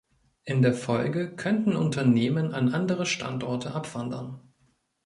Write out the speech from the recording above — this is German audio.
In der Folge könnten Unternehmen an andere Standorte abwandern.